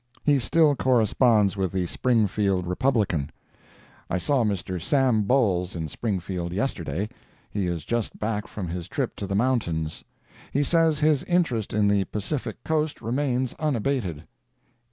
He still corresponds with the Springfield Republican. I saw Mr. Sam Bowles in Springfield yesterday. He is just back from his trip to the Mountains. He says his interest in the Pacific Coast remains unabated.